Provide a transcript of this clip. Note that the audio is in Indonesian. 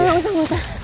enggak marah usah muat